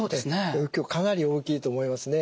影響かなり大きいと思いますね。